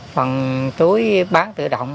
phần tưới bán tự động